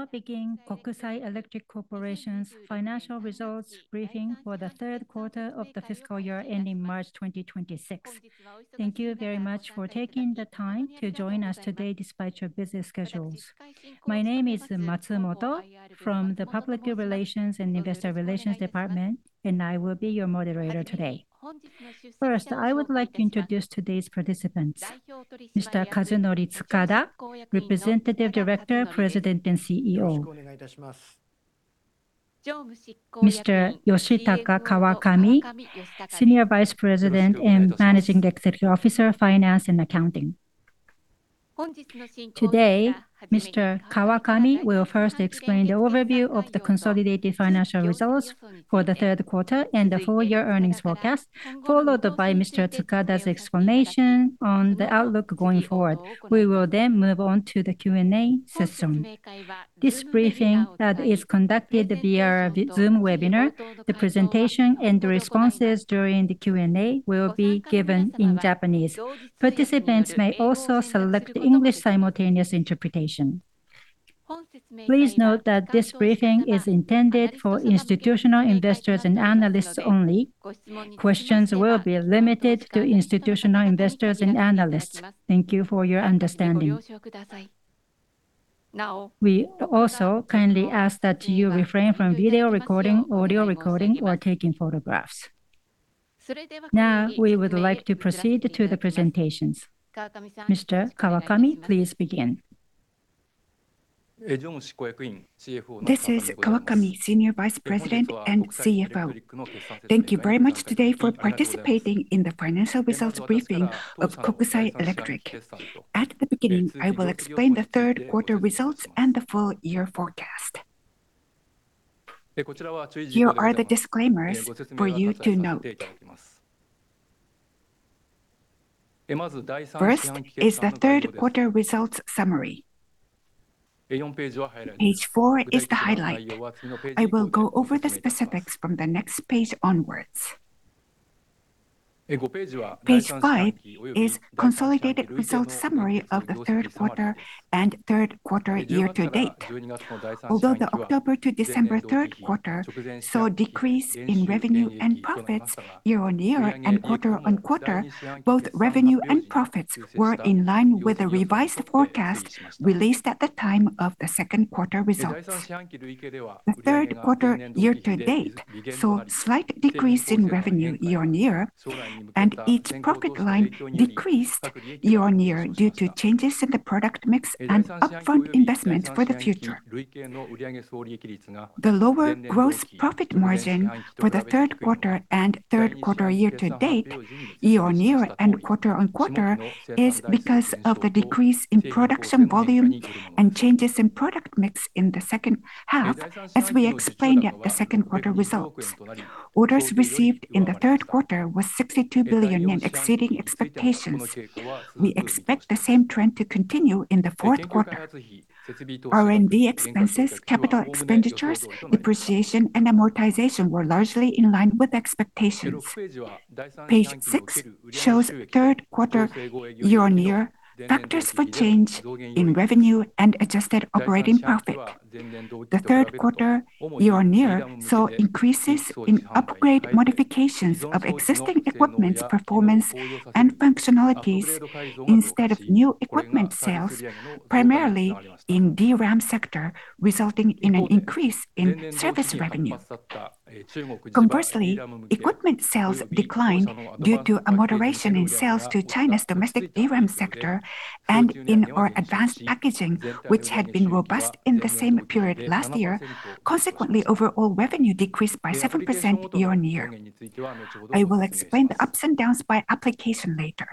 We will now begin Kokusai Electric Corporation's financial results briefing for the third quarter of the fiscal year ending March 2026. Thank you very much for taking the time to join us today despite your busy schedules. My name is Matsumoto from the Public Relations and Investor Relations Department, and I will be your moderator today. First, I would like to introduce today's participants. Mr. Kazunori Tsukada, Representative Director, President, and CEO. Mr. Yoshitaka Kawakami, Senior Vice President and Managing Executive Officer of Finance and Accounting. Today, Mr. Kawakami will first explain the overview of the consolidated financial results for the third quarter and the full-year earnings forecast, followed by Mr. Tsukada's explanation on the outlook going forward. We will then move on to the Q&A session. This briefing is conducted via Zoom webinar. The presentation and the responses during the Q&A will be given in Japanese. Participants may also select English simultaneous interpretation. Please note that this briefing is intended for institutional investors and analysts only. Questions will be limited to institutional investors and analysts. Thank you for your understanding. We also kindly ask that you refrain from video recording, audio recording, or taking photographs. Now, we would like to proceed to the presentations. Mr. Kawakami, please begin. This is Kawakami, Senior Vice President and CFO. Thank you very much today for participating in the financial results briefing of Kokusai Electric. At the beginning, I will explain the third quarter results and the full-year forecast. Here are the disclaimers for you to note. First is the third quarter results summary. Page four is the highlight. I will go over the specifics from the next page onwards. Page five is consolidated results summary of the third quarter and third quarter year-to-date. Although the October to December third quarter saw a decrease in revenue and profits year-on-year and quarter-on-quarter, both revenue and profits were in line with the revised forecast released at the time of the second quarter results. The third quarter year-to-date saw slight decrease in revenue year-on-year, and each profit line decreased year-on-year due to changes in the product mix and upfront investment for the future. The lower gross profit margin for the third quarter and third quarter year-to-date, year-on-year and quarter-on-quarter, is because of the decrease in production volume and changes in product mix in the second half, as we explained at the second quarter results. Orders received in the third quarter was 62 billion, exceeding expectations. We expect the same trend to continue in the fourth quarter. R&D expenses, CapEx, depreciation, and amortization were largely in line with expectations. Page 6 shows third quarter year-on-year factors for change in revenue and adjusted operating profit. The third quarter year-on-year saw increases in upgrade modifications of existing equipment's performance and functionalities instead of new equipment sales, primarily in DRAM sector, resulting in an increase in service revenue. Conversely, equipment sales declined due to a moderation in sales to China's domestic DRAM sector and in our advanced packaging, which had been robust in the same period last year. Consequently, overall revenue decreased by 7% year-over-year. I will explain the ups and downs by application later.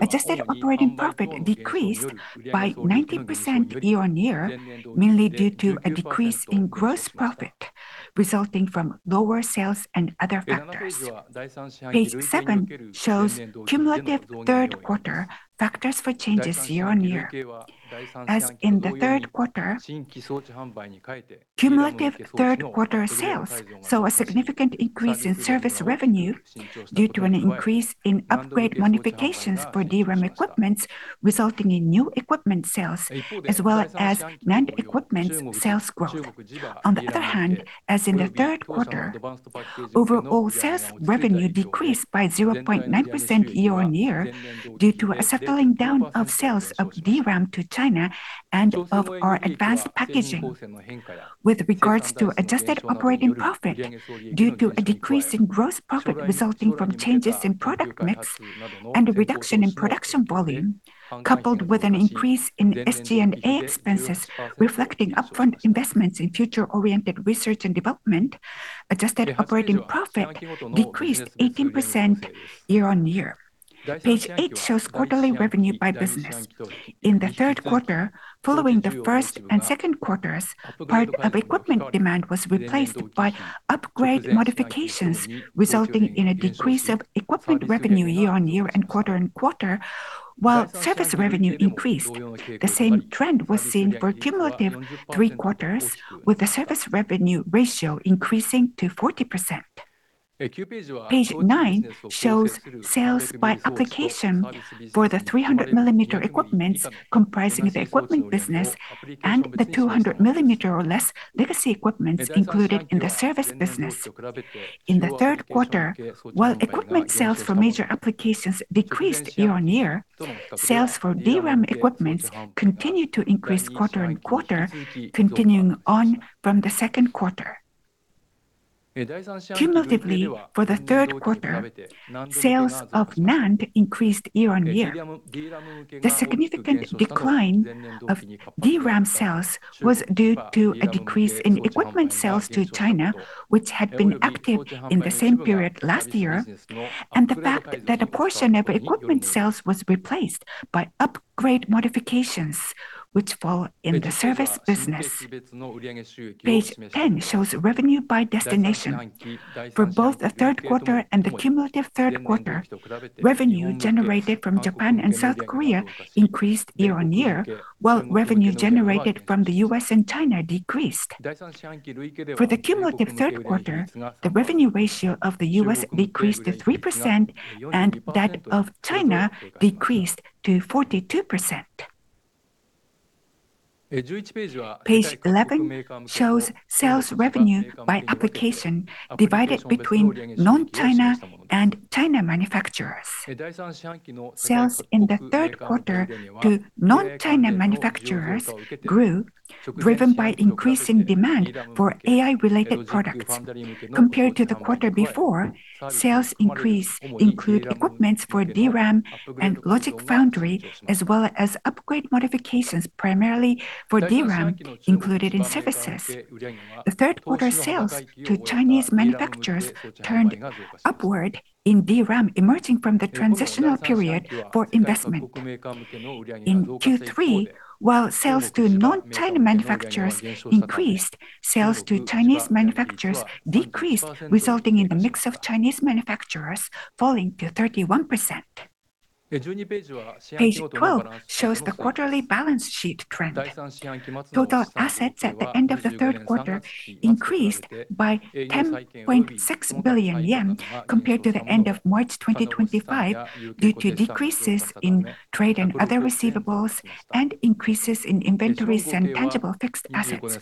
Adjusted operating profit decreased by 19% year-over-year, mainly due to a decrease in gross profit, resulting from lower sales and other factors. Page seven shows cumulative third quarter factors for changes year-over-year. As in the third quarter, cumulative third quarter sales saw a significant increase in service revenue due to an increase in upgrade modifications for DRAM equipment, resulting in new equipment sales, as well as NAND equipment sales growth. On the other hand, as in the third quarter, overall sales revenue decreased by 0.9% year-on-year due to a settling down of sales of DRAM to China and of our advanced packaging. With regards to adjusted operating profit, due to a decrease in gross profit resulting from changes in product mix and a reduction in production volume, coupled with an increase in SG&A expenses, reflecting upfront investments in future-oriented research and development, adjusted operating profit decreased 18% year-on-year. Page 8 shows quarterly revenue by business. In the third quarter, following the first and second quarters, part of equipment demand was replaced by upgrade modifications, resulting in a decrease of equipment revenue year-on-year and quarter-on-quarter, while service revenue increased. The same trend was seen for cumulative three quarters, with the service revenue ratio increasing to 40%. Page 9 shows sales by application for the 300 mm equipment comprising the equipment business and the 200 mm or less legacy equipment included in the service business. In the third quarter, while equipment sales for major applications decreased year-on-year, sales for DRAM equipment continued to increase quarter-on-quarter, continuing on from the second quarter. Cumulatively, for the third quarter, sales of NAND increased year-on-year. The significant decline of DRAM sales was due to a decrease in equipment sales to China, which had been active in the same period last year, and the fact that a portion of equipment sales was replaced by upgrade modifications, which fall in the service business. Page 10 shows revenue by destination. For both the third quarter and the cumulative third quarter, revenue generated from Japan and South Korea increased year-on-year, while revenue generated from the U.S. and China decreased. For the cumulative third quarter, the revenue ratio of the U.S. decreased to 3%, and that of China decreased to 42%. Page 11 shows sales revenue by application, divided between non-China and China manufacturers. Sales in the third quarter to non-China manufacturers grew, driven by increasing demand for AI-related products. Compared to the quarter before, sales increases include equipment for DRAM and Logic/Foundry, as well as upgrade modifications, primarily for DRAM included in services. The third quarter sales to Chinese manufacturers turned upward in DRAM, emerging from the transitional period for investment. In Q3, while sales to non-China manufacturers increased, sales to Chinese manufacturers decreased, resulting in the mix of Chinese manufacturers falling to 31%. Page 12 shows the quarterly balance sheet trend. Total assets at the end of the third quarter increased by 10.6 billion yen compared to the end of March 2025, due to decreases in trade and other receivables, and increases in inventories and tangible fixed assets.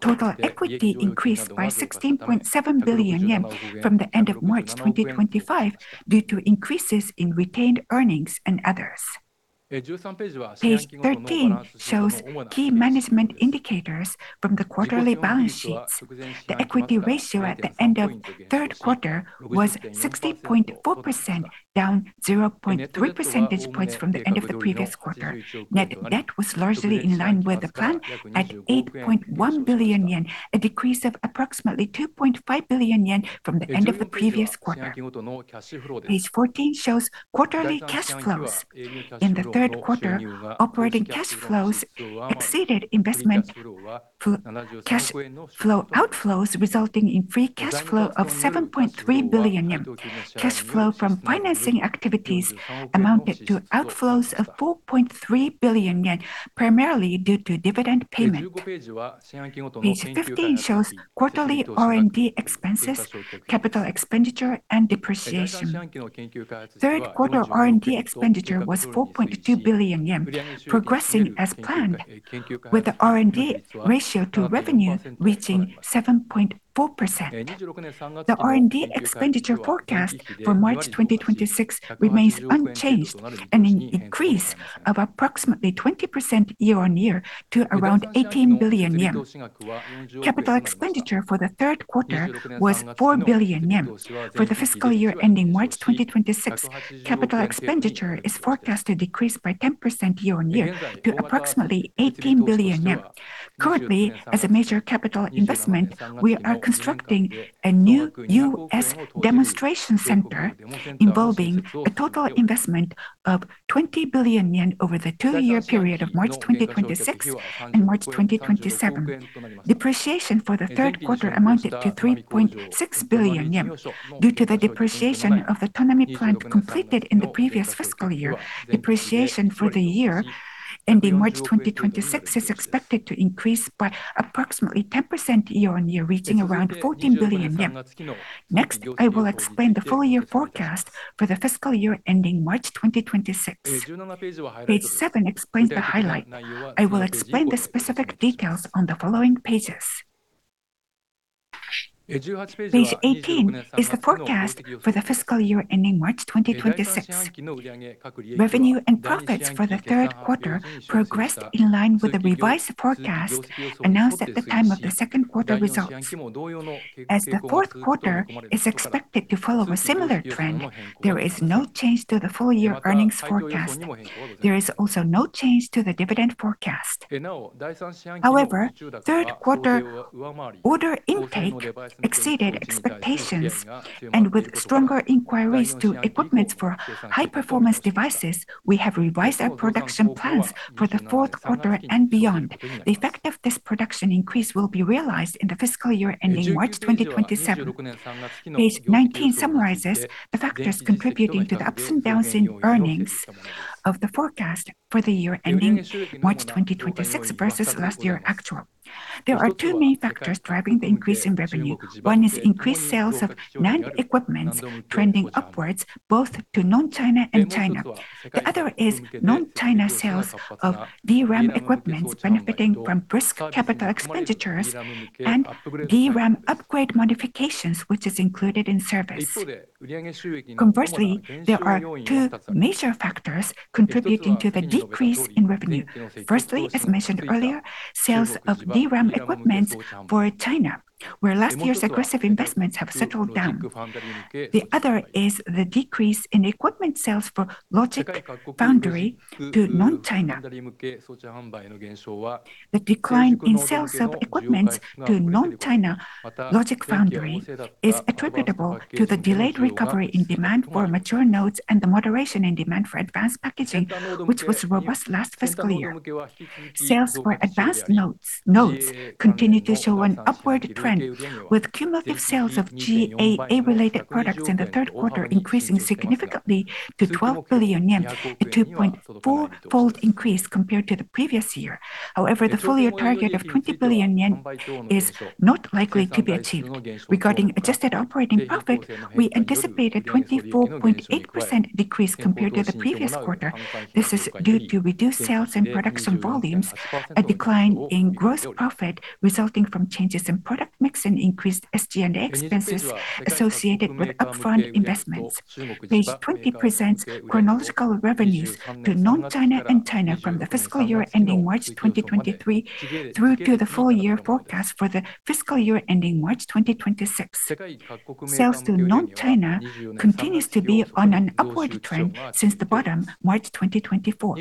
Total equity increased by 16.7 billion yen from the end of March 2025, due to increases in retained earnings and others. Page 13 shows key management indicators from the quarterly balance sheets. The equity ratio at the end of third quarter was 60.4%, down 0.3 percentage points from the end of the previous quarter. Net debt was largely in line with the plan at 8.1 billion yen, a decrease of approximately 2.5 billion yen from the end of the previous quarter. Page 14 shows quarterly cash flows. In the third quarter, operating cash flows exceeded investment flow, cash flow outflows, resulting in free cash flow of 7.3 billion yen. Cash flow from financing activities amounted to outflows of 4.3 billion yen, primarily due to dividend payment. Page 15 shows quarterly R&D expenses, CapEx, and depreciation. Third quarter R&D expenditure was 4.2 billion yen, progressing as planned, with the R&D ratio to revenue reaching 7.4%. The R&D expenditure forecast for March 2026 remains unchanged, and an increase of approximately 20% year-on-year to around 18 billion yen. CapEx for the third quarter was 4 billion yen. For the fiscal year ending March 2026, CapEx is forecast to decrease by 10% year-on-year to approximately 18 billion yen. Currently, as a major capital investment, we are constructing a new U.S. demonstration center involving a total investment of 20 billion yen over the two-year period of March 2026 and March 2027. Depreciation for the third quarter amounted to 3.6 billion yen. Due to the depreciation of the Tonami plant completed in the previous fiscal year, depreciation for the year ending March 2026 is expected to increase by approximately 10% year-on-year, reaching around 14 billion yen. Next, I will explain the full-year forecast for the fiscal year ending March 2026. Page seven explains the highlight. I will explain the specific details on the following pages. Page 18 is the forecast for the fiscal year ending March 2026. Revenue and profits for the third quarter progressed in line with the revised forecast announced at the time of the second quarter results. As the fourth quarter is expected to follow a similar trend, there is no change to the full-year earnings forecast. There is also no change to the dividend forecast. However, third quarter order intake exceeded expectations, and with stronger inquiries to equipment for high-performance devices, we have revised our production plans for the fourth quarter and beyond. The effect of this production increase will be realized in the fiscal year ending March 2027. Page 19 summarizes the factors contributing to the ups and downs in earnings of the forecast for the year ending March 2026 versus last year actual. There are two main factors driving the increase in revenue. One is increased sales of NAND equipment trending upwards, both to non-China and China. The other is non-China sales of DRAM equipment benefiting from risk CapEx and DRAM upgrade modifications, which is included in service. Conversely, there are two major factors contributing to the decrease in revenue. Firstly, as mentioned earlier, sales of DRAM equipment for China, where last year's aggressive investments have settled down. The other is the decrease in equipment sales for Logic/Foundry to non-China. The decline in sales of equipment to non-China Logic/Foundry is attributable to the delayed recovery in demand for mature nodes and the moderation in demand for advanced packaging, which was robust last fiscal year. Sales for advanced nodes, nodes continue to show an upward trend, with cumulative sales of GAA-related products in the third quarter increasing significantly to 12 billion yen, a 2.4-fold increase compared to the previous year. However, the full-year target of 20 billion yen is not likely to be achieved. Regarding adjusted operating profit, we anticipate a 24.8% decrease compared to the previous quarter. This is due to reduced sales and products on volumes, a decline in gross profit resulting from changes in product mix, and increased SG&A expenses associated with upfront investments. Page 20 presents chronological revenues to non-China and China from the fiscal year ending March 2023, through to the full-year forecast for the fiscal year ending March 2026. Sales to non-China continues to be on an upward trend since the bottom, March 2024.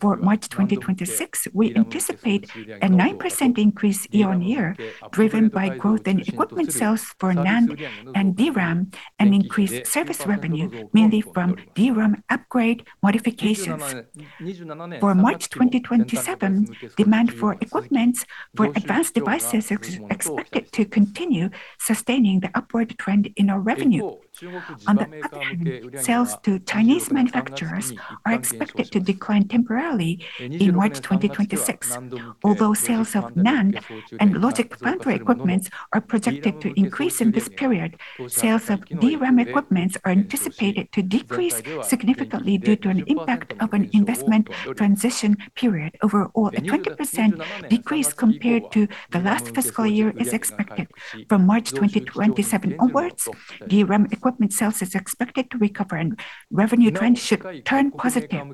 For March 2026, we anticipate a 9% increase year-on-year, driven by growth in equipment sales for NAND and DRAM, and increased service revenue, mainly from DRAM upgrade modifications. For March 2027, demand for equipments for advanced devices is expected to continue sustaining the upward trend in our revenue. On the other hand, sales to Chinese manufacturers are expected to decline temporarily in March 2026. Although sales of NAND and Logic/Foundry equipments are projected to increase in this period, sales of DRAM equipments are anticipated to decrease significantly due to an impact of an investment transition period. Overall, a 20% decrease compared to the last fiscal year is expected. From March 2027 onwards, DRAM equipment sales is expected to recover, and revenue trend should turn positive.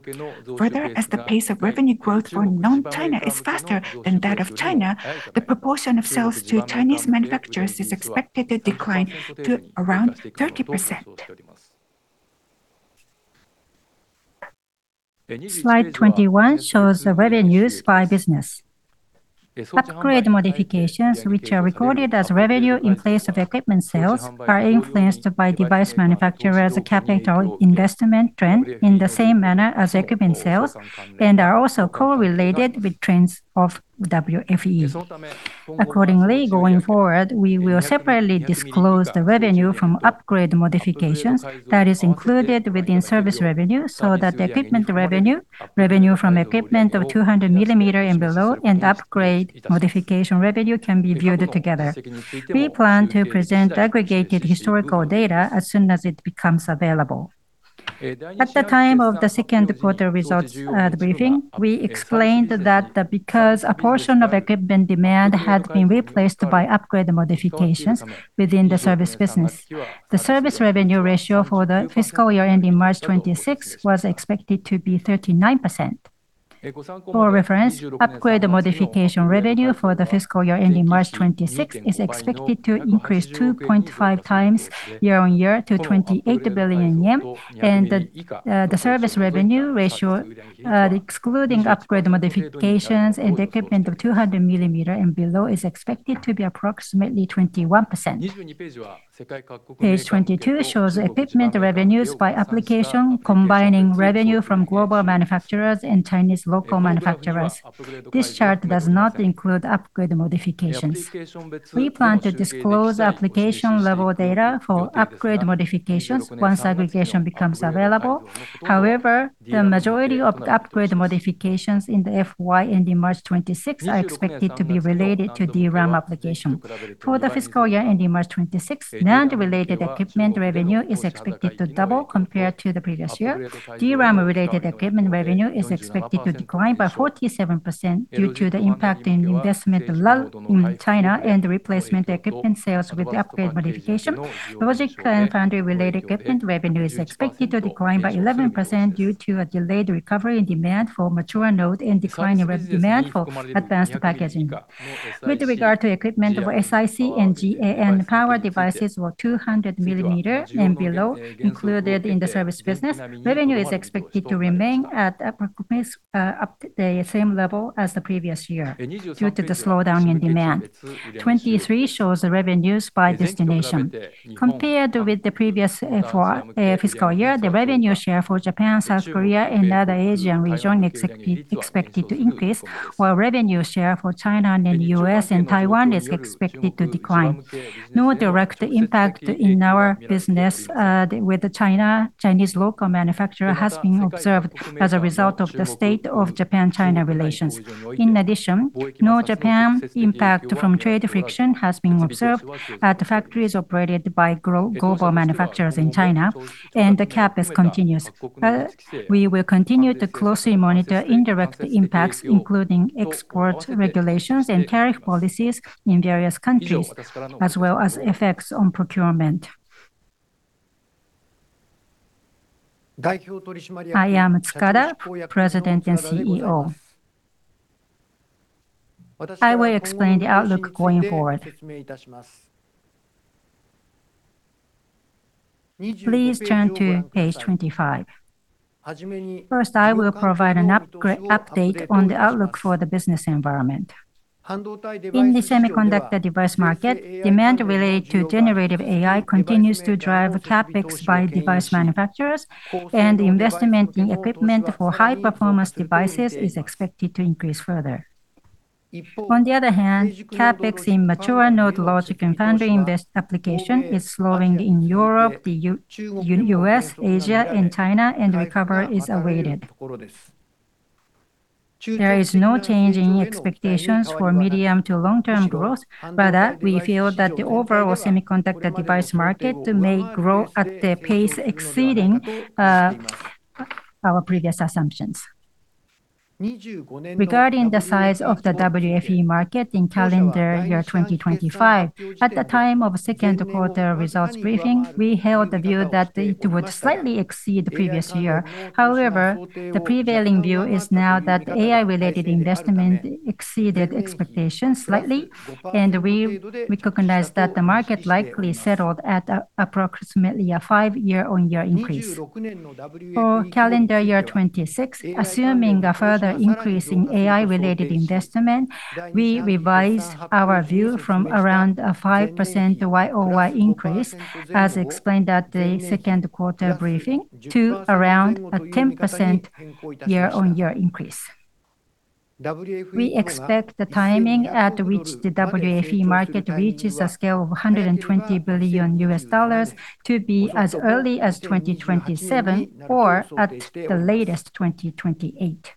Further, as the pace of revenue growth for non-China is faster than that of China, the proportion of sales to Chinese manufacturers is expected to decline to around 30%. Slide 21 shows the revenues by business. Upgrade modifications, which are recorded as revenue in place of equipment sales, are influenced by device manufacturers' capital investment trend in the same manner as equipment sales, and are also correlated with trends of WFE. Accordingly, going forward, we will separately disclose the revenue from upgrade modifications that is included within service revenue, so that the equipment revenue, revenue from equipment of 200 mm and below, and upgrade modification revenue can be viewed together. We plan to present aggregated historical data as soon as it becomes available. At the time of the second quarter results briefing, we explained that because a portion of equipment demand had been replaced by upgrade modifications within the service business, the service revenue ratio for the fiscal year ending March 2026 was expected to be 39%. For reference, upgrade modification revenue for the fiscal year ending March 2026 is expected to increase 2.5x year-on-year to 28 billion yen. And the service revenue ratio, excluding upgrade modifications and equipment of 200 mm and below, is expected to be approximately 21%. Page 22 shows equipment revenues by application, combining revenue from global manufacturers and Chinese local manufacturers. This chart does not include upgrade modifications. We plan to disclose application-level data for upgrade modifications once aggregation becomes available. However, the majority of the upgrade modifications in the FY ending March 2026 are expected to be related to DRAM application. For the fiscal year ending March 2026, NAND-related equipment revenue is expected to double compared to the previous year. DRAM-related equipment revenue is expected to decline by 47% due to the impact in investment lull in China and the replacement equipment sales with upgrade modification. Logic and Foundry-related equipment revenue is expected to decline by 11% due to a delayed recovery in demand for mature node and decline in demand for advanced packaging. With regard to equipment for SiC and GaN power devices for 200 mm and below included in the service business, revenue is expected to remain at approximately, at the same level as the previous year due to the slowdown in demand. Page 23 shows the revenues by destination. Compared with the previous four fiscal years, the revenue share for Japan, South Korea, and other Asian region is expected to increase, while revenue share for China and the U.S. and Taiwan is expected to decline. No direct impact in our business with the Chinese local manufacturer has been observed as a result of the state of Japan-China relations. In addition, no Japan impact from trade friction has been observed at factories operated by global manufacturers in China, and the CapEx continues. We will continue to closely monitor indirect impacts, including export regulations and tariff policies in various countries, as well as effects on procurement. I am Tsukada, President and CEO. I will explain the outlook going forward. Please turn to page 25. First, I will provide an update on the outlook for the business environment. In the semiconductor device market, demand related to generative AI continues to drive CapEx by device manufacturers, and investment in equipment for high-performance devices is expected to increase further. On the other hand, CapEx in mature node Logic and Foundry invest application is slowing in Europe, the U.S., Asia, and China, and recovery is awaited. There is no change in expectations for medium to long-term growth. Rather, we feel that the overall semiconductor device market may grow at the pace exceeding our previous assumptions. Regarding the size of the WFE market in calendar year 2025, at the time of second quarter results briefing, we held the view that it would slightly exceed the previous year. However, the prevailing view is now that AI-related investment exceeded expectations slightly, and we recognize that the market likely settled at approximately a 5% year-on-year increase. For calendar year 2026, assuming a further increase in AI-related investment, we revised our view from around a 5% YoY increase, as explained at the second quarter briefing, to around a 10% year-on-year increase. We expect the timing at which the WFE market reaches a scale of $120 billion to be as early as 2027 or, at the latest, 2028.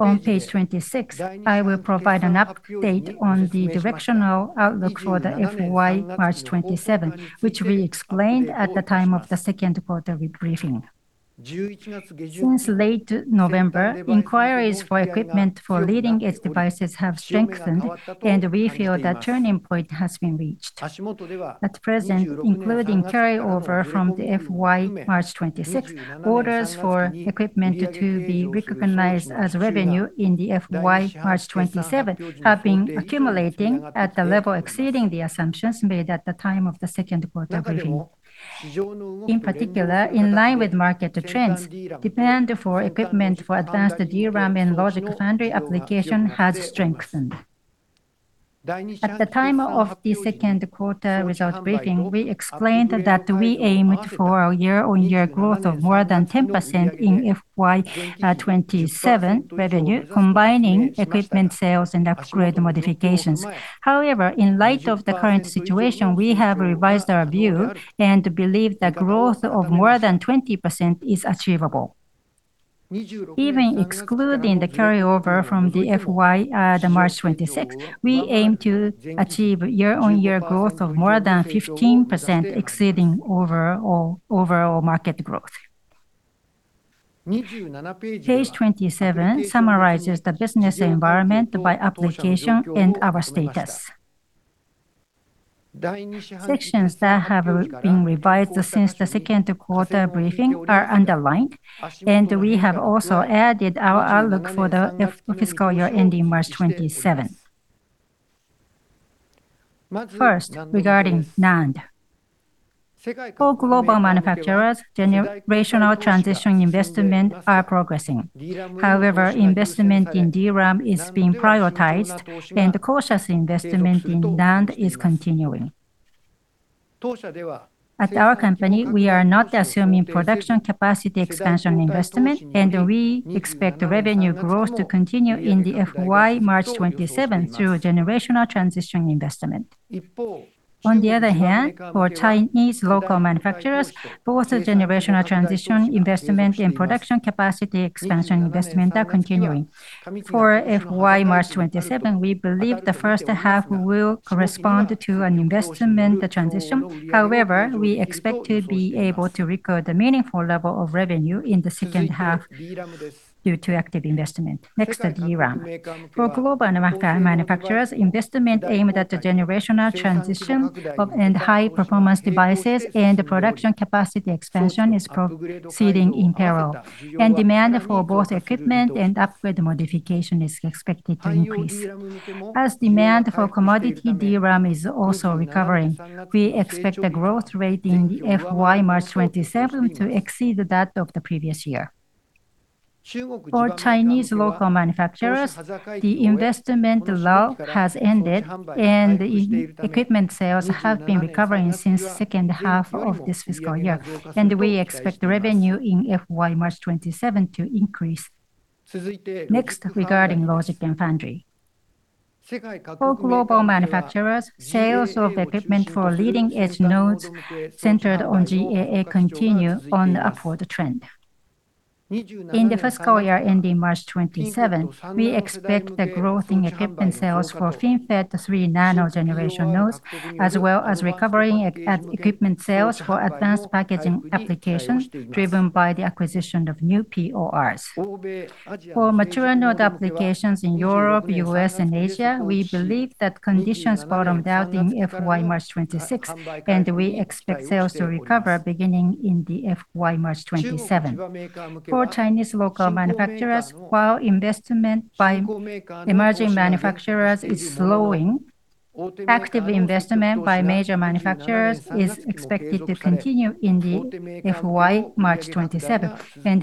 On page 26, I will provide an update on the directional outlook for the FY March 2027, which we explained at the time of the second quarter briefing. Since late November, inquiries for equipment for leading-edge devices have strengthened, and we feel the turning point has been reached. At present, including carryover from the FY March 2026, orders for equipment to be recognized as revenue in the FY March 2027 have been accumulating at a level exceeding the assumptions made at the time of the second quarter briefing. In particular, in line with market trends, demand for equipment for advanced DRAM and Logic/Foundry application has strengthened. At the time of the second quarter results briefing, we explained that we aimed for a year-on-year growth of more than 10% in FY 2027 revenue, combining equipment sales and upgrade modifications. However, in light of the current situation, we have revised our view and believe that growth of more than 20% is achievable. Even excluding the carryover from March 2026, we aim to achieve year-on-year growth of more than 15%, exceeding over or overall market growth. Page 27 summarizes the business environment by application and our status. Sections that have been revised since the second quarter briefing are underlined, and we have also added our outlook for the fiscal year ending March 2027. First, regarding NAND. For global manufacturers, generational transition investment are progressing. However, investment in DRAM is being prioritized, and cautious investment in NAND is continuing. At our company, we are not assuming production capacity expansion investment, and we expect the revenue growth to continue in the FY March 2027 through generational transition investment. On the other hand, for Chinese local manufacturers, both the generational transition investment and production capacity expansion investment are continuing. For FY March 2027, we believe the first half will correspond to an investment transition. However, we expect to be able to record a meaningful level of revenue in the second half due to active investment. Next, the DRAM. For global market manufacturers, investment aimed at the generational transition of and high-performance devices and production capacity expansion is proceeding in parallel, and demand for both equipment and upgrade modification is expected to increase. As demand for commodity DRAM is also recovering, we expect the growth rate in the FY March 2027 to exceed that of the previous year. For Chinese local manufacturers, the investment lull has ended, and equipment sales have been recovering since second half of this fiscal year, and we expect revenue in FY March 2027 to increase. Next, regarding Logic and Foundry. For global manufacturers, sales of equipment for leading-edge nodes centered on GAA continue on the upward trend. In the fiscal year ending March 2027, we expect the growth in equipment sales for FinFET 3 nm generation nodes, as well as recovering equipment sales for advanced packaging applications, driven by the acquisition of new PORs. For mature node applications in Europe, U.S., and Asia, we believe that conditions bottomed out in FY March 2026, and we expect sales to recover beginning in the FY March 2027. For Chinese local manufacturers, while investment by emerging manufacturers is slowing. Active investment by major manufacturers is expected to continue in the FY March 2027, and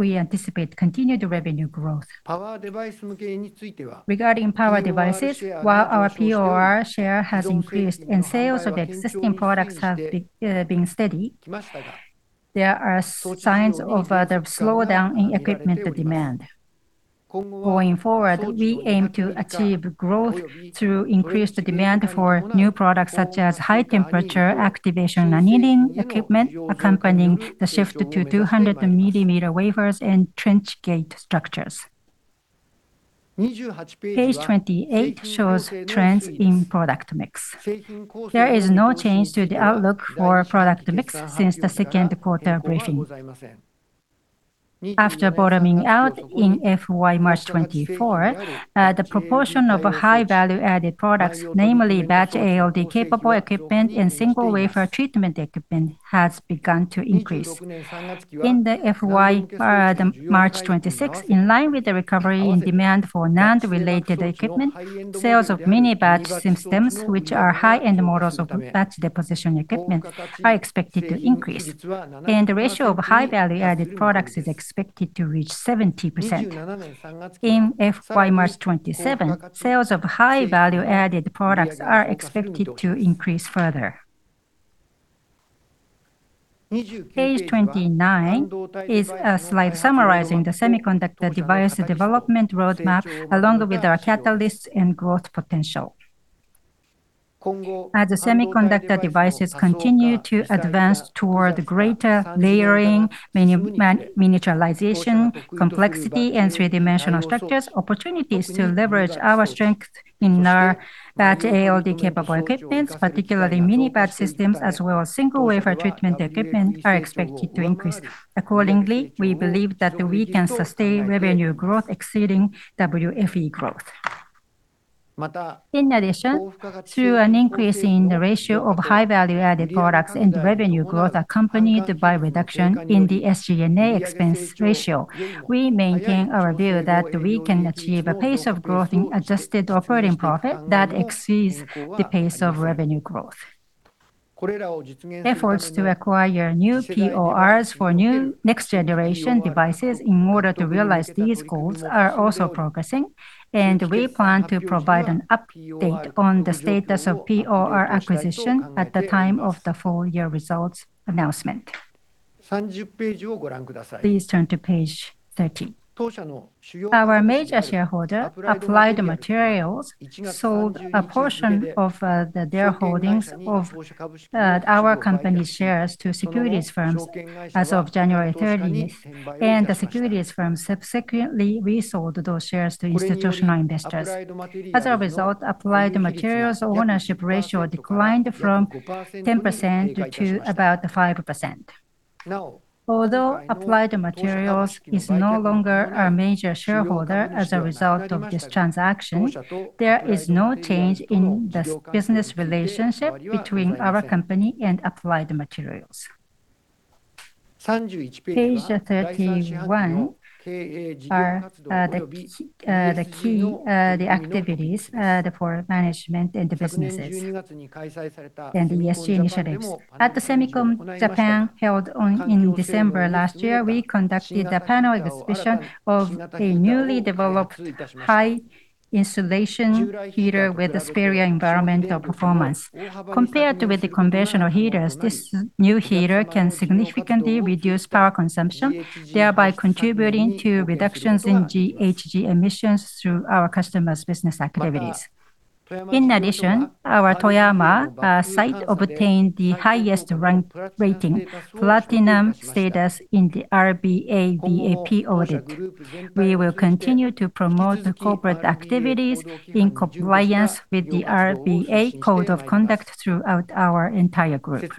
we anticipate continued revenue growth. Regarding power devices, while our POR share has increased and sales of existing products have been steady, there are signs of the slowdown in equipment demand. Going forward, we aim to achieve growth through increased demand for new products, such as high temperature activation annealing equipment, accompanying the shift to 200 mm wafers and trench gate structures. Page 28 shows trends in product mix. There is no change to the outlook or product mix since the second quarter briefing. After bottoming out in FY March 2024, the proportion of high value-added products, namely batch ALD-capable equipment and single wafer treatment equipment, has begun to increase. In the FY March 2026, in line with the recovery and demand for NAND-related equipment, sales of mini batch systems, which are high-end models of batch deposition equipment, are expected to increase, and the ratio of high value-added products is expected to reach 70%. In FY March 2027, sales of high value-added products are expected to increase further. Page 29 is a slide summarizing the semiconductor device development roadmap, along with our catalysts and growth potential. As the semiconductor devices continue to advance toward greater layering, miniaturization, complexity, and three-dimensional structures, opportunities to leverage our strength in our batch ALD-capable equipment, particularly mini batch systems, as well as single wafer treatment equipment, are expected to increase. Accordingly, we believe that we can sustain revenue growth exceeding WFE growth. In addition, through an increase in the ratio of high value-added products and revenue growth accompanied by reduction in the SG&A expense ratio, we maintain our view that we can achieve a pace of growth in adjusted operating profit that exceeds the pace of revenue growth. Efforts to acquire new PORs for new next generation devices in order to realize these goals are also progressing, and we plan to provide an update on the status of POR acquisition at the time of the full-year results announcement. Please turn to page 13. Our major shareholder, Applied Materials, sold a portion of their holdings of our company's shares to securities firms as of January thirtieth, and the securities firm subsequently resold those shares to institutional investors. As a result, Applied Materials' ownership ratio declined from 10% to about 5%. Although Applied Materials is no longer our major shareholder as a result of this transaction, there is no change in this business relationship between our company and Applied Materials. Page 31 are the key activities for management and the businesses and the ESG initiatives. At the SEMICON Japan, held on in December last year, we conducted a panel exhibition of a newly developed high-insulation heater with a superior environmental performance. Compared with the conventional heaters, this new heater can significantly reduce power consumption, thereby contributing to reductions in GHG emissions through our customers' business activities. In addition, our Toyama site obtained the highest rank rating, Platinum Status, in the RBA VAP audit. We will continue to promote the corporate activities in compliance with the RBA Code of Conduct throughout our entire group.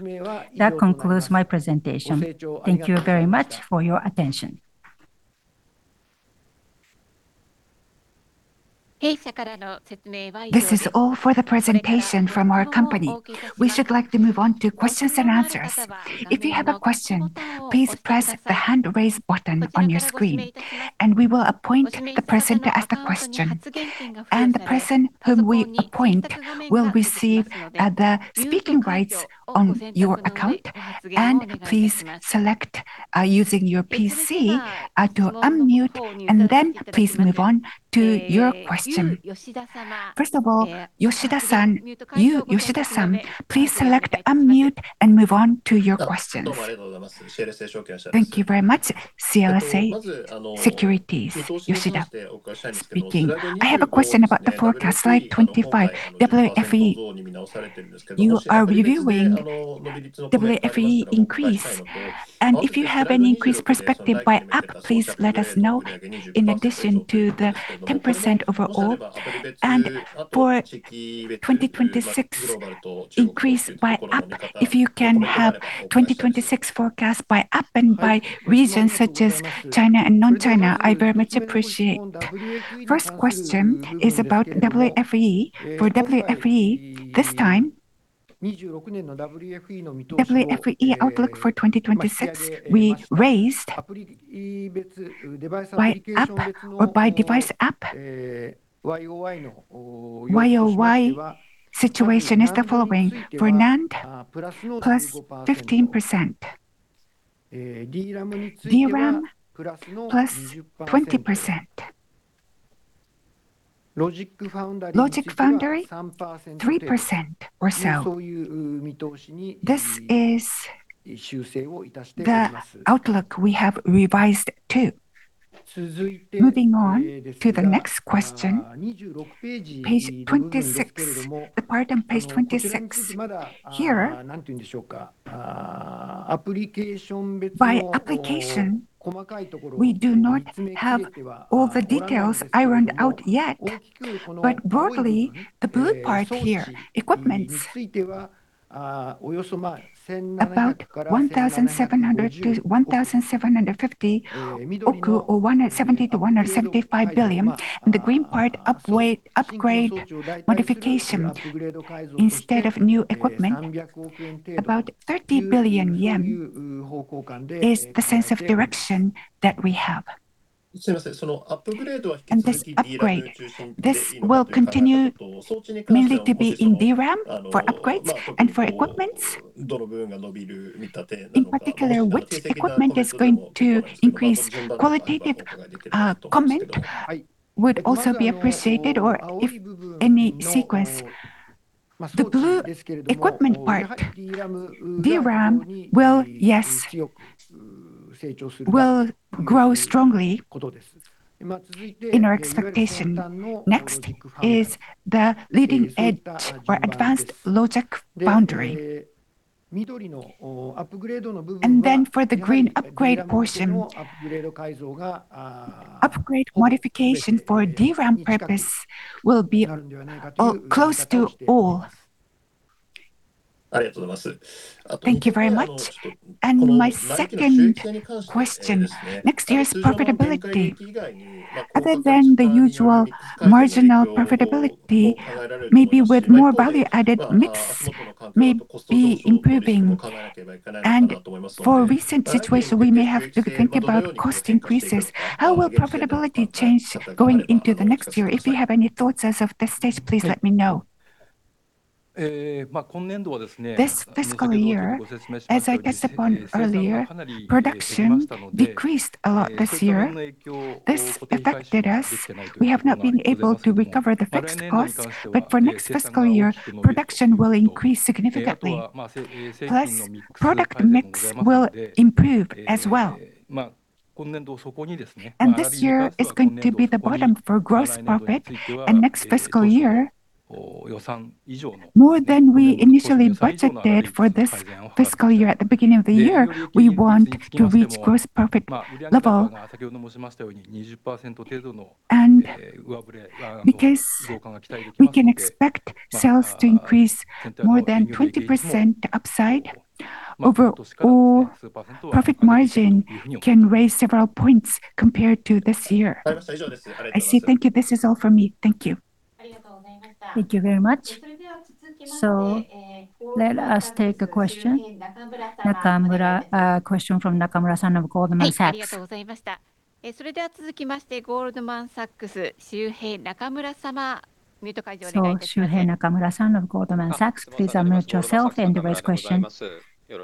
That concludes my presentation. Thank you very much for your attention. This is all for the presentation from our company. We should like to move on to questions and answers. If you have a question, please press the hand raise button on your screen, and we will appoint the person to ask the question, and the person whom we appoint will receive the speaking rights on your account. Please select using your PC to unmute, and then please move on to your question. First of all, Yoshida-san. Yu Yoshida-san, please select unmute and move on to your questions. Thank you very much, CLSA Securities, Yoshida speaking. I have a question about the forecast, slide 25, WFE. You are reviewing WFE increase, and if you have any increased perspective by up, please let us know in addition to the 10% overall. And for 2026, increase by up, if you can have 2026 forecast by up and by regions such as China and non-China, I very much appreciate it. First question is about WFE. For WFE, this time—WFE outlook for 2026, we raised by app or by device app. YoY situation is the following: for NAND, +15%. DRAM, +20%. Logic/Foundry, 3% or so. This is the outlook we have revised to. Moving on to the next question, page 26. Pardon, page 26. Here, by application, we do not have all the details ironed out yet, but broadly, the blue part here, equipments, about 170 billion-175 billion. The green part, upgrade modification instead of new equipment, about 30 billion yen, is the sense of direction that we have. And this upgrade, this will continue mainly to be in DRAM for upgrades and for equipments. In particular, which equipment is going to increase qualitative, comment would also be appreciated, or if any sequence. The blue equipment part, DRAM will, yes, will grow strongly in our expectation. Next is the leading edge or advanced Logic/Foundry. And then for the green upgrade portion, upgrade modification for DRAM purpose will be, close to all. Thank you very much. And my second question, next year's profitability. Other than the usual marginal profitability, maybe with more value-added mix may be improving. And for recent situation, we may have to think about cost increases. How will profitability change going into the next year? If you have any thoughts as of this stage, please let me know. This fiscal year, as I touched upon earlier, production decreased a lot this year. This affected us. We have not been able to recover the fixed costs, but for next fiscal year, production will increase significantly, plus product mix will improve as well. This year is going to be the bottom for gross profit. Next fiscal year, more than we initially budgeted for this fiscal year at the beginning of the year, we want to reach gross profit level. Because we can expect sales to increase more than 20% upside overall, profit margin can raise several points compared to this year. I see. Thank you. This is all from me. Thank you. Thank you very much. Let us take a question. Nakamura, a question from Nakamura-san of Goldman Sachs. Shuhei Nakamura-san of Goldman Sachs, please unmute yourself and raise question.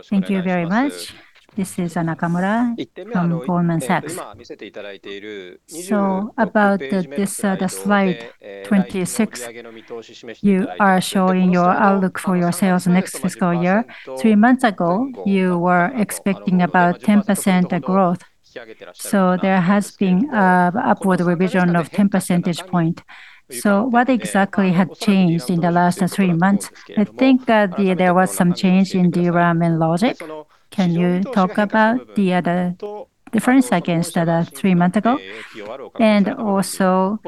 Thank you very much. This is Nakamura from Goldman Sachs. So about the slide 26, you are showing your outlook for your sales next fiscal year. Three months ago, you were expecting about 10% growth, so there has been upward revision of 10 percentage points. So what exactly has changed in the last three months? I think that there was some change in DRAM and Logic. Can you talk about the difference against three months ago? And also,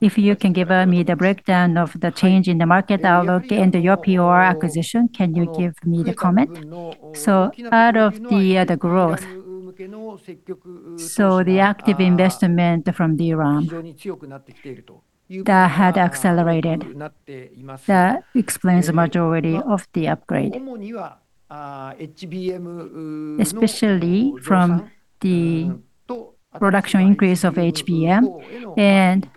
if you can give me the breakdown of the change in the market outlook and your POR acquisition, can you give me the comment? So out of the growth, so the active investment from DRAM, that had accelerated. That explains the majority of the upgrade. Especially from the production increase of HBM and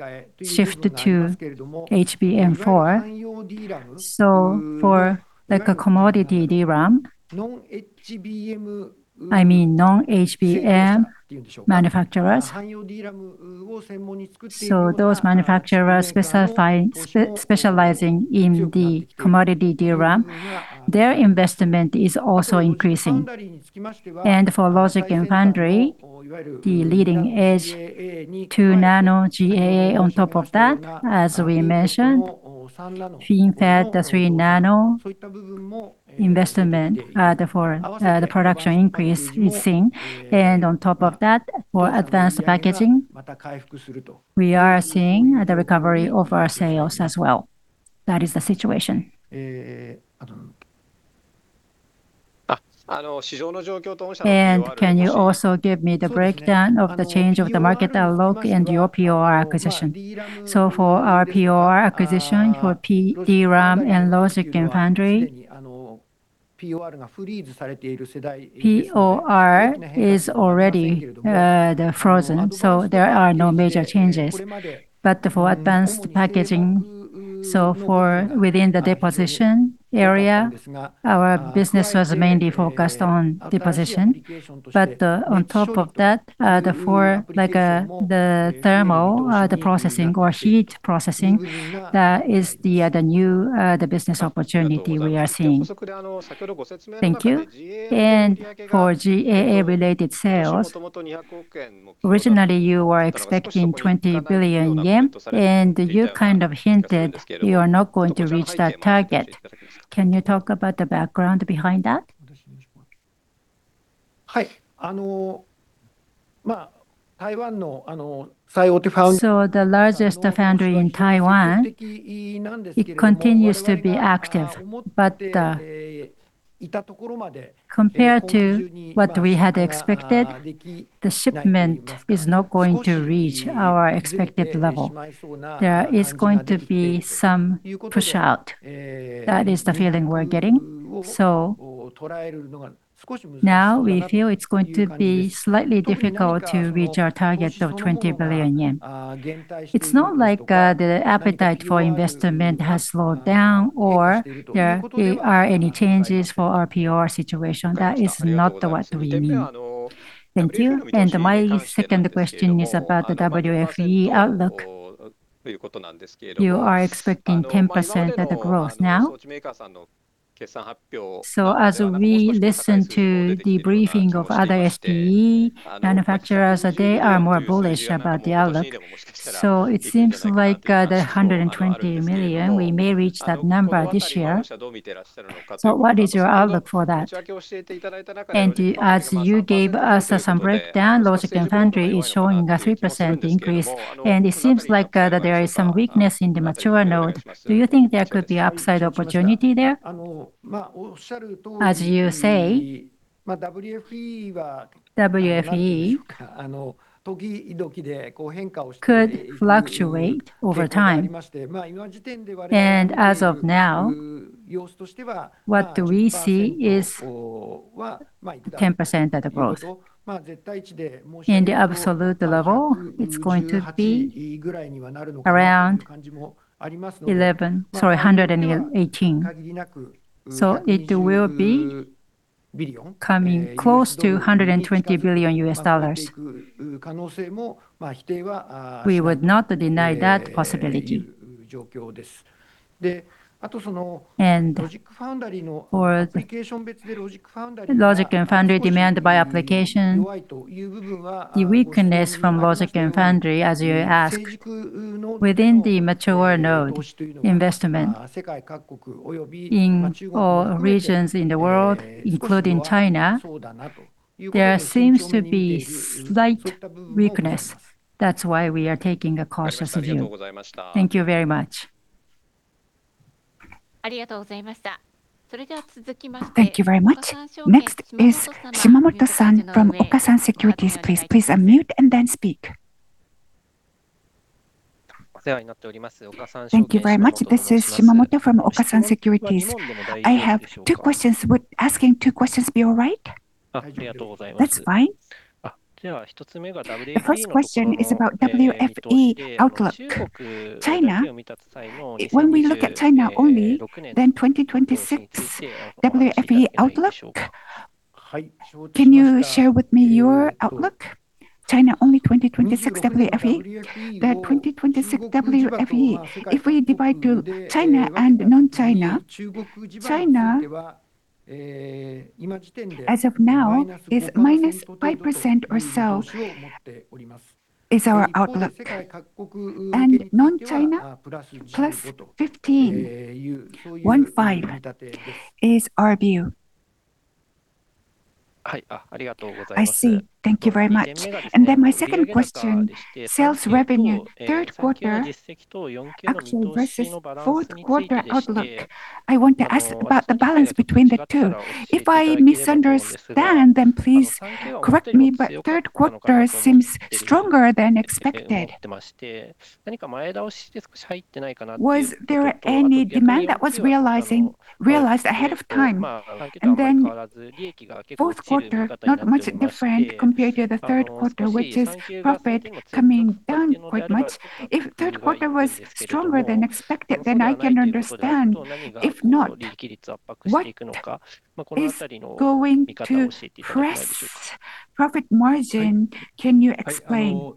shift to HBM4. So for like a commodity DRAM, I mean, non-HBM manufacturers. So those manufacturers specify specializing in the commodity DRAM, their investment is also increasing. And for Logic and Foundry, the leading edge, 2 nm GAA on top of that, as we mentioned, FinFET, the 3 nm investment, therefore, the production increase is seen. And on top of that, for advanced packaging, we are seeing the recovery of our sales as well. That is the situation. And can you also give me the breakdown of the change of the market outlook and your POR acquisition? So for our POR acquisition, for DRAM and Logic/Foundry, POR is already frozen, so there are no major changes. But for advanced packaging, so for within the deposition area, our business was mainly focused on deposition. But on top of that, the for like, the thermal, the processing or heat processing, that is the, the new, the business opportunity we are seeing. Thank you. For GAA-related sales, originally, you were expecting 20 billion yen, and you kind of hinted you are not going to reach that target. Can you talk about the background behind that? Hi. So the largest foundry in Taiwan, it continues to be active, but compared to what we had expected, the shipment is not going to reach our expected level. There is going to be some push out. That is the feeling we're getting. So now we feel it's going to be slightly difficult to reach our target of 20 billion yen. It's not like, the appetite for investment has slowed down, or there are any changes for our POR situation. That is not what we mean. Thank you. My second question is about the WFE outlook. You are expecting 10% of the growth now. As we listen to the briefing of other SDE manufacturers, they are more bullish about the outlook. It seems like the 120 million, we may reach that number this year. What is your outlook for that? As you gave us some breakdown, Logic and Foundry is showing a 3% increase, and it seems like there is some weakness in the mature node. Do you think there could be upside opportunity there? As you say, WFE could fluctuate over time. As of now, what we see is 10% of the growth. In the absolute level, it's going to be around 118 million.It will be coming close to $120 billion. We would not deny that possibility. For Logic and Foundry demand by application, the weakness from Logic and Foundry, as you ask, within the mature node investment in all regions in the world, including China, there seems to be slight weakness. That's why we are taking a cautious view. Thank you very much. Thank you very much. Next is Shimamoto-san from Okasan Securities. Please, please unmute and then speak. Thank you very much. This is Shimamoto from Okasan Securities. I have two questions. Would asking two questions be all right? That's fine. The first question is about WFE outlook. China, when we look at China only, then 2026 WFE outlook, can you share with me your outlook? China only 2026 WFE. The 2026 WFE, if we divide to China and non-China, China, as of now, is -5% or so, is our outlook. And non-China? One-five, 15, is our view. I see. Thank you very much. And then my second question, sales revenue. Third quarter actual versus fourth quarter outlook. I want to ask about the balance between the two. If I misunderstand, then please correct me, but third quarter seems stronger than expected. Was there any demand that was realizing, realized ahead of time? And then fourth quarter, not much different compared to the third quarter, which is profit coming down quite much. If third quarter was stronger than expected, then I can understand. If not, what is going to press profit margin? Can you explain?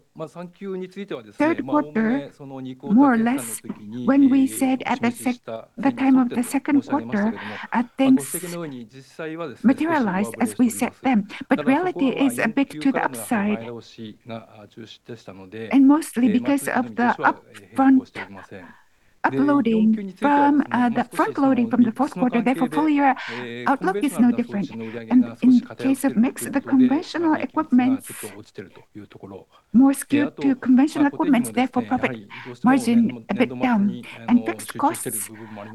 Third quarter, more or less, when we said at the time of the second quarter, I think materialized as we set them, but reality is a bit to the upside. And mostly because of the front loading from the fourth quarter, therefore, full-year outlook is no different. And in case of mix, the conventional equipment, more skewed to conventional equipment, therefore, profit margin a bit down. And fixed costs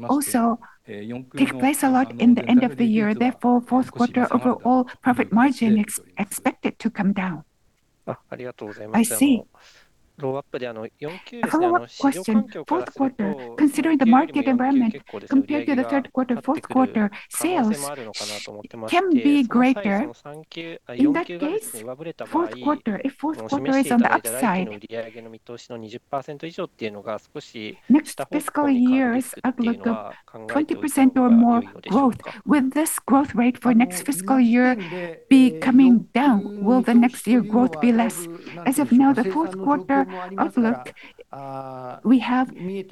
also take place a lot in the end of the year, therefore, fourth quarter overall profit margin is expected to come down. Ah, thank you very much. I see. A follow-up question, fourth quarter, considering the market environment compared to the third quarter, fourth quarter sales can be greater. In that case, fourth quarter, if fourth quarter is on the upside, next fiscal year's outlook of 20% or more growth, will this growth rate for next fiscal year be coming down? Will the next year growth be less? As of now, the fourth quarter outlook, we have due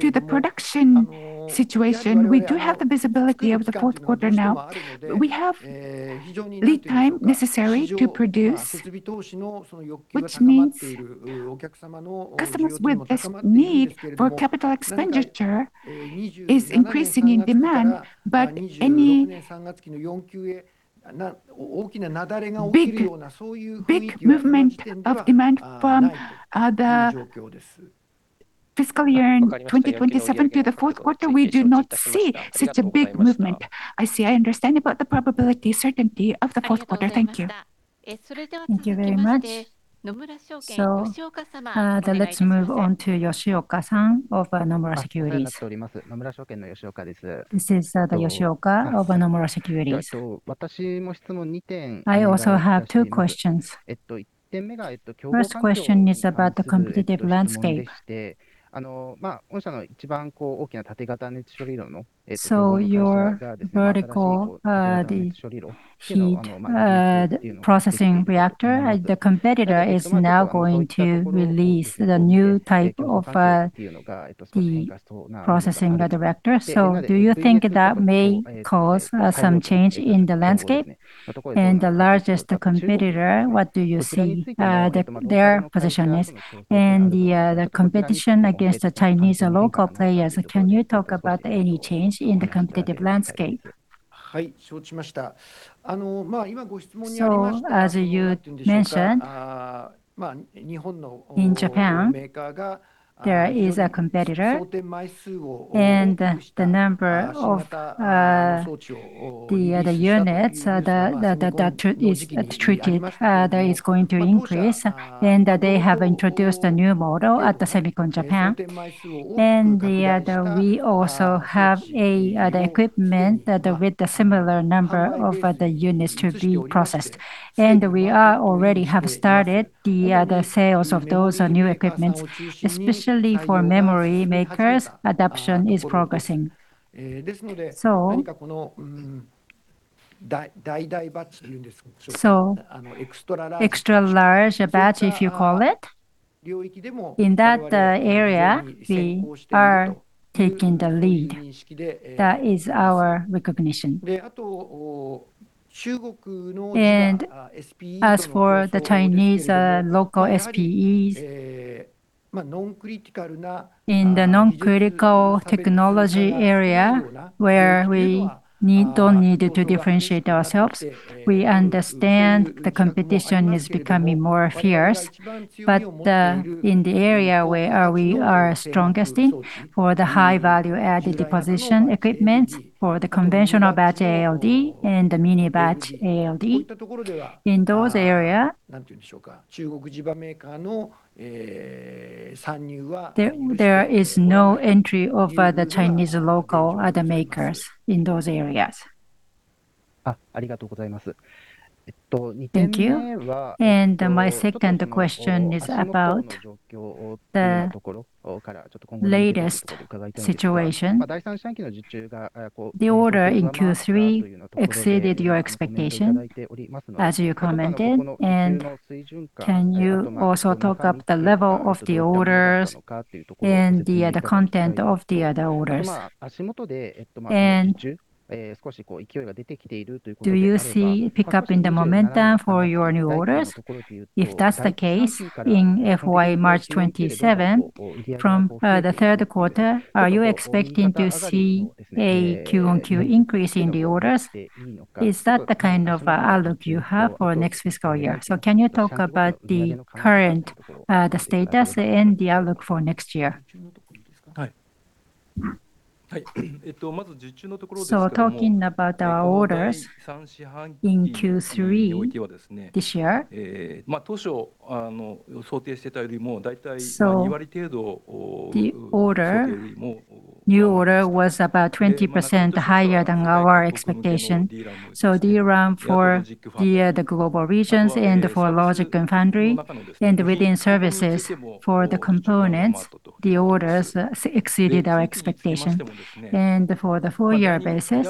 to the production situation, we do have the visibility of the fourth quarter now. We have lead time necessary to produce, which means customers with this need for CapEx is increasing in demand, but any big, big movement of demand from, the fiscal year in 2027 to the fourth quarter, we do not see such a big movement. I see. I understand about the probability, certainty of the fourth quarter. Thank you. Thank you very much. So, let's move on to Yoshioka-san of, Nomura Securities. This is, Yoshioka of Nomura Securities. I also have two questions. First question is about the competitive landscape. So your vertical, the heat processing reactor, the competitor is now going to release the new type of the processing reactor. So do you think that may cause some change in the landscape? And the largest competitor, what do you see their position is? And the competition against the Chinese local players, can you talk about any change in the competitive landscape? So, as you mentioned, in Japan, there is a competitor, and the number of units that is treated that is going to increase. And they have introduced a new model at the SEMICON Japan. And we also have the equipment that with the similar number of units to be processed. We are already have started the sales of those new equipment, especially for memory makers, adoption is progressing. So extra large batch, if you call it, in that area, we are taking the lead. That is our recognition. And as for the Chinese local SPEs, in the non-critical technology area where we don't need to differentiate ourselves, we understand the competition is becoming more fierce. But in the area where we are strongest in, for the high value-added deposition equipment, for the conventional batch ALD and the mini batch ALD, in those area, there is no entry of the Chinese local makers in those areas. Thank you very much. Thank you. And my second question is about the latest situation. The order in Q3 exceeded your expectation, as you commented. Can you also talk up the level of the orders and the, the content of the other orders? Do you see pick-up in the momentum for your new orders? If that's the case, in FY March 2027, from the third quarter, are you expecting to see a Q on Q increase in the orders? Is that the kind of outlook you have for next fiscal year? Can you talk about the current, the status and the outlook for next year? Talking about our orders in Q3 this year, the new order was about 20% higher than our expectation. The DRAM for the global regions and for Logic and Foundry, and within services for the components, the orders exceeded our expectation. For the full-year basis,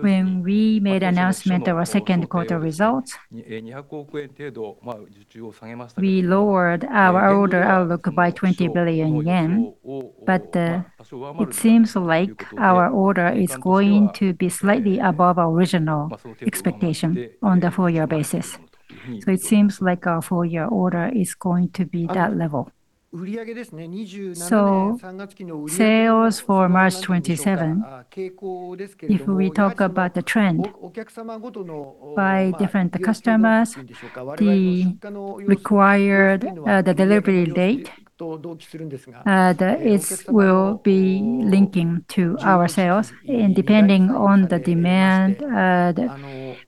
when we made announcement of our second quarter results, we lowered our order outlook by 20 billion yen, but it seems like our order is going to be slightly above our original expectation on the full-year basis. It seems like our full-year order is going to be that level. Sales for March 2027, if we talk about the trend, by different customers, the required delivery date, it will be linking to our sale. And depending on the demand,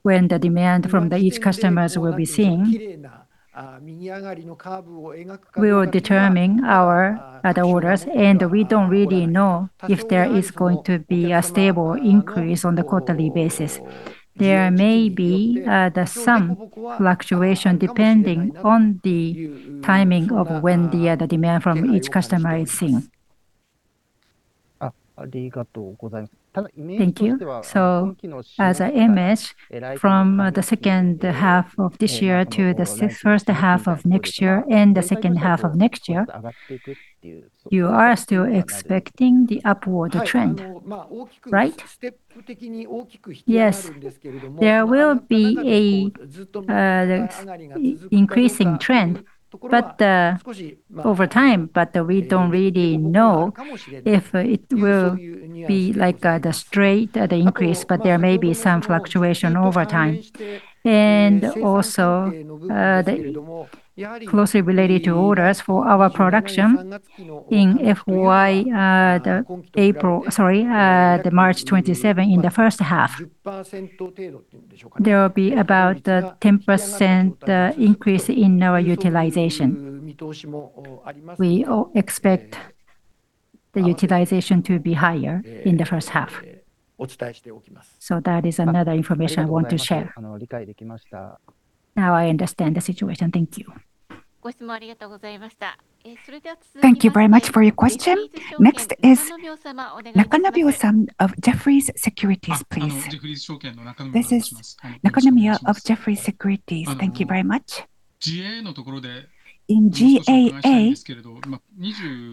when the demand from each customer will be seeing-we will determine our orders, and we don't really know if there is going to be a stable increase on the quarterly basis. There may be some fluctuation depending on the timing of when the demand from each customer is seen. Thank you. So as an image from the second half of this year to the first half of next year and the second half of next year, you are still expecting the upward trend, right? Yes. There will be an increasing trend, but over time, but we don't really know if it will be like the straight increase, but there may be some fluctuation over time. And also, the closely related to orders for our production in FY, the April, sorry, the March 2027, in the first half. There will be about a 10% increase in our utilization. We expect the utilization to be higher in the first half. So that is another information I want to share. Now I understand the situation. Thank you. Thank you very much for your question. Next is Nakanomyo-san of Jefferies, please. This is Nakanomyo of Jefferies. Thank you very much. In GAA,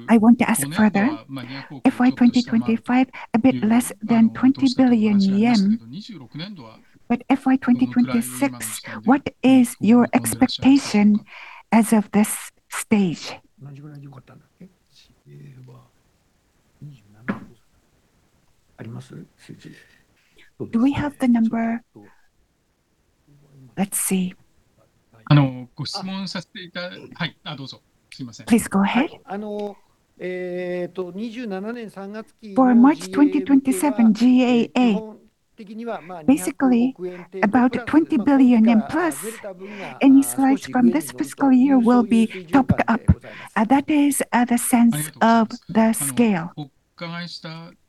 I want to ask further. FY 2025, a bit less than 20 billion yen, but FY 2026, what is your expectation as of this stage? Do we have the number? Let's see. Please go ahead. For March 2027, GAA, basically about 20 billion yen plus, any slides from this fiscal year will be topped up, that is, the sense of the scale.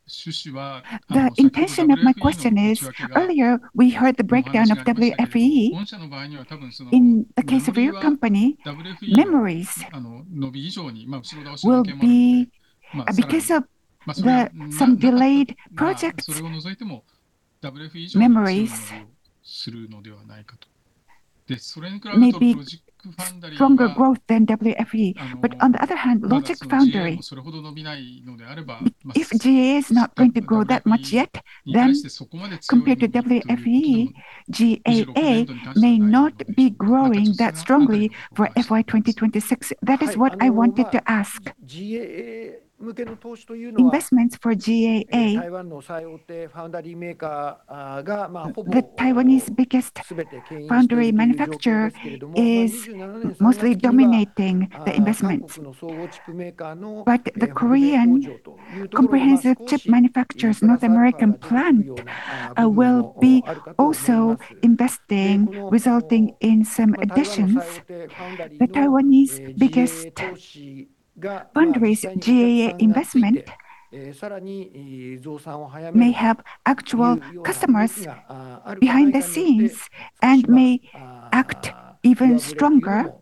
The intention of my question is, earlier we heard the breakdown of WFE. In the case of your company, memories will be because of the some delayed projects. Memories maybe stronger growth than WFE, but on the other hand, Logic/Foundry, if GAA is not going to grow that much yet, then compared to WFE, GAA may not be growing that strongly for FY 2026. That is what I wanted to ask. Investments for GAA, the Taiwanese biggest foundry manufacturer is mostly dominating the investments. But the Korean comprehensive chip manufacturer's North American plant will be also investing, resulting in some additions. The Taiwanese biggest foundry's GAA investment may have actual customers behind the scenes and may act even stronger.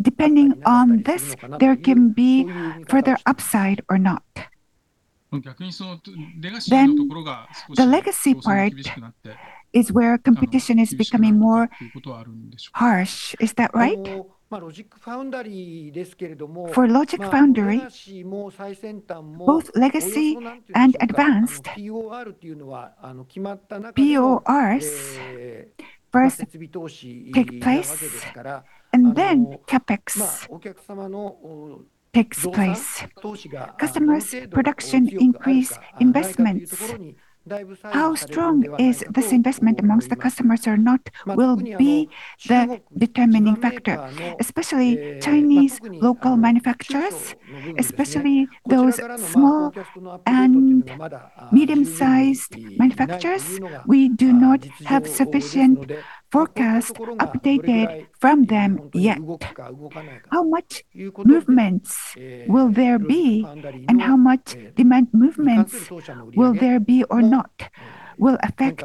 Depending on this, there can be further upside or not. Then the legacy part is where competition is becoming more harsh. Is that right? For Logic/Foundry, both legacy and advanced, PORs first take place and then CapEx takes place. Customers' production increase investments. How strong is this investment among the customers or not, will be the determining factor, especially Chinese local manufacturers, especially those small and medium-sized manufacturers. We do not have sufficient forecast updated from them yet. How much movements will there be, and how much demand movements will there be or not, will affect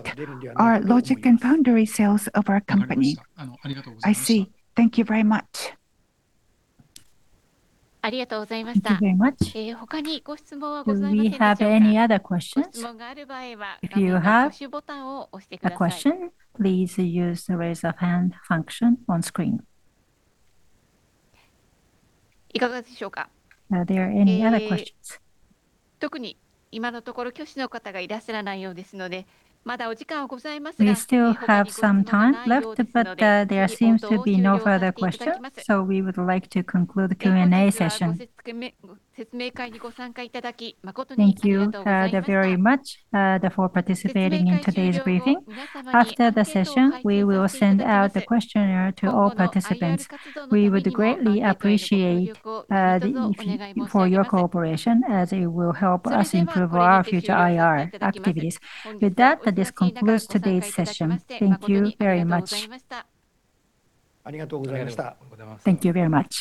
our Logic and Foundry sales of our company. I see. Thank you very much. Thank you very much. Do we have any other questions? If you have a question, please use the Raise a Hand function on screen. Are there any other questions? We still have some time left, but there seems to be no further questions, so we would like to conclude the Q&A session. Thank you very much for participating in today's briefing. After the session, we will send out the questionnaire to all participants. We would greatly appreciate your cooperation, as it will help us improve our future IR activities. With that, this concludes today's session. Thank you very much. Thank you very much.